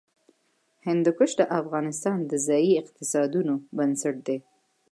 هندوکش د افغانستان د ځایي اقتصادونو بنسټ دی.